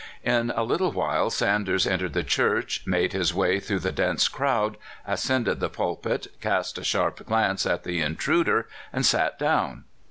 In a little while Sanders entered the church, made his way through the dense crowd, ascended the pulpit, cast a sharp glance at the intruder, and sat down.